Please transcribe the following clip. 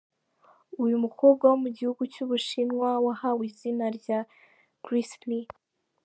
Uyu mukobwa wo mu gihugu cy’ u Bushinwa wahawe izina rya Grisly.